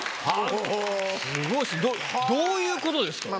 どういうことですか？